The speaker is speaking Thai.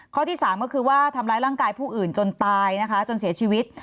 ที่สามก็คือว่าทำร้ายร่างกายผู้อื่นจนตายนะคะจนเสียชีวิต